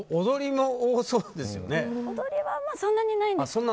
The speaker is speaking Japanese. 踊りはそんなにないです。